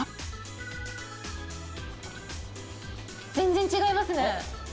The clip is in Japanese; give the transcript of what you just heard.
全然違いますね。